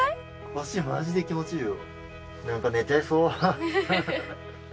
腰マジで気持ちいいよ。